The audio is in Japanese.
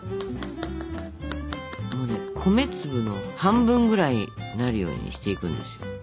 米粒の半分ぐらいになるようにしていくんですよ。